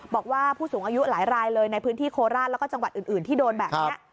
บอกว่าผู้สูงอายุหลายรายเลยในพื้นที่โคราชแล้วก็จังหวัดอื่นที่โดนแบบนี้